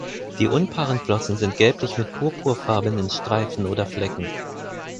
Die unpaaren Flossen sind gelblich mit purpurfarbenen Streifen oder Flecken.